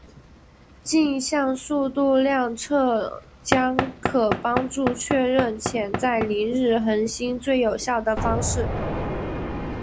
径向速度量测将可帮助确认潜在凌日恒星最有效的方式。